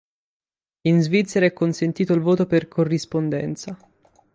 In Svizzera è consentito il voto per corrispondenza.